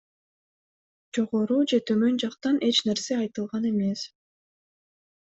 Жогору же төмөн жактан эч нерсе айтылган эмес.